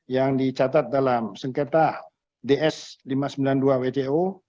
yang dicatat dalam sengketa ds lima ratus sembilan puluh dua wto